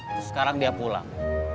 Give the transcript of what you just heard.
terus sekarang dia pulang